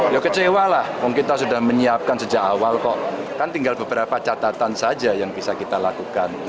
ya kecewa lah kita sudah menyiapkan sejak awal kok kan tinggal beberapa catatan saja yang bisa kita lakukan